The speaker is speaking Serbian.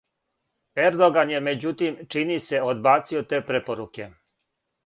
Ердоган је међутим, чини се, одбацио те препоруке.